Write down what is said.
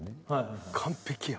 完璧や。